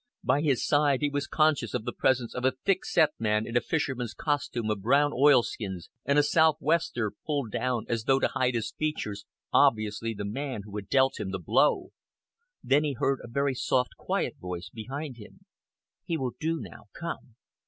By his side he was conscious of the presence of a thick set man in a fisherman's costume of brown oilskins and a southwester pulled down as though to hide his features, obviously the man who had dealt him the blow. Then he heard a very soft, quiet voice behind him. "He will do now. Come."